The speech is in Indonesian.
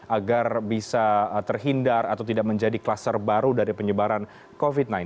agar bisa terhindar atau tidak menjadi kluster baru dari penyebaran covid sembilan belas